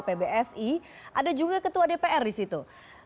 pbsi ada juga ketua dpr di situ